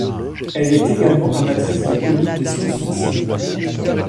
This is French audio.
Elle est également amatrice de comics de science-fiction.